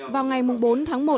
vào ngày bốn tháng một